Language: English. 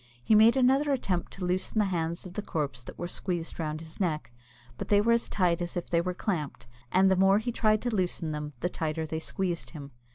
He made another attempt to loosen the hands of the corpse that were squeezed round his neck, but they were as tight as if they were clamped; and the more he tried to loosen them, the tighter they squeezed him.